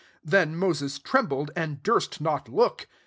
Then Moses treoa ' bled, and durst not look.